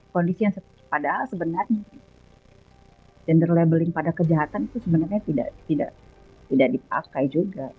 kondisi yang padahal sebenarnya gender labeling pada kejahatan itu sebenarnya tidak dipakai juga